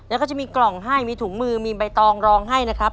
แล้วก็จะมีกล่องให้มีถุงมือมีใบตองรองให้นะครับ